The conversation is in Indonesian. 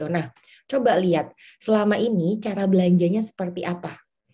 nah coba lihat selama ini cara belanjanya seperti apa